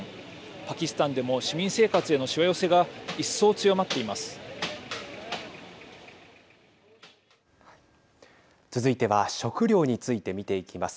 パキスタンでも市民生活へのしわ寄せが一層強まっています。